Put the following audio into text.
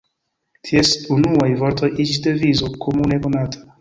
Ties unuaj vortoj iĝis devizo komune konata.